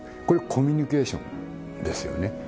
これコミュニケーションですよね？